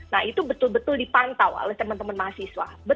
nah itu betul betul dipantau oleh teman teman mahasiswa